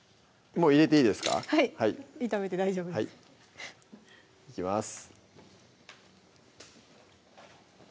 もう入れていいですかはい炒めて大丈夫ですいきます